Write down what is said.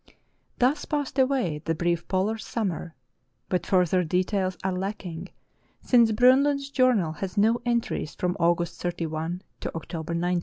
Thus passed away the brief polar summer, but further de tails are lacking since Bronlund's journal has no entries from August 31 to October 19.